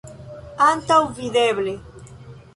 Antaŭvideble.